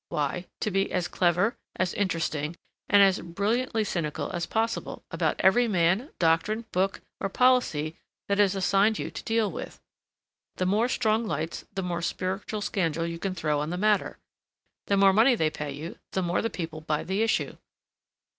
Why, to be as clever, as interesting, and as brilliantly cynical as possible about every man, doctrine, book, or policy that is assigned you to deal with. The more strong lights, the more spiritual scandal you can throw on the matter, the more money they pay you, the more the people buy the issue.